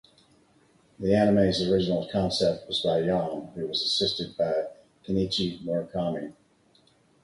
The anime's original concept was by Yom who was assisted by Kenichi Murakami.